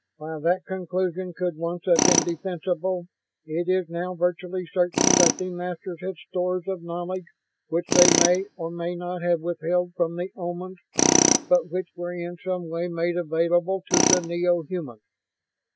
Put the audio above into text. "While that conclusion could once have been defensible, it is now virtually certain that the Masters had stores of knowledge which they may or may not have withheld from the Omans, but which were in some way made available to the neo humans.